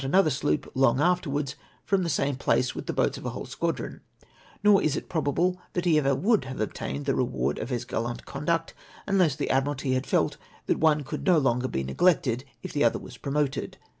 another sloop, long afterwards, from the same place with the boats of a whole squadron — nor, is it probable that he ever would have obtained the reward of his gallant conduct, unless the Admiralty had felt that the one could not longer be neg lected if the other was promoted.